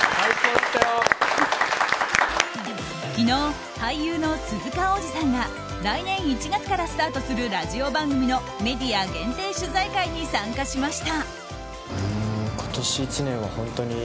昨日、俳優の鈴鹿央士さんが来年１月からスタートするラジオ番組のメディア限定取材会に参加しました。